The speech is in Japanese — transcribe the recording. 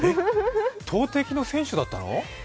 投てきの選手だったの？